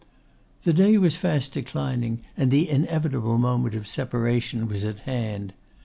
The day was fast declining, and the inevitable moment of separation was at hand.